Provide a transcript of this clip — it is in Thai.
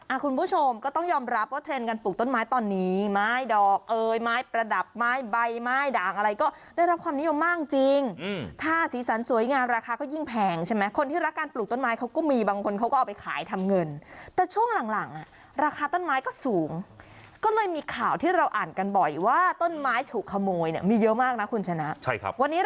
คุณผู้ชมก็ต้องยอมรับว่าเทรนด์การปลูกต้นไม้ตอนนี้ไม้ดอกเอยไม้ประดับไม้ใบไม้ด่างอะไรก็ได้รับความนิยมมากจริงอืมถ้าสีสันสวยงามราคาก็ยิ่งแพงใช่ไหมคนที่รักการปลูกต้นไม้เขาก็มีบางคนเขาก็เอาไปขายทำเงินแต่ช่วงหลังหลังอ่ะราคาต้นไม้ก็สูงก็เลยมีข่าวที่เราอ่านกันบ่อยว่าต้นไม้ถูกขโมยเนี่ยมีเยอะมากนะคุณชนะใช่ครับวันนี้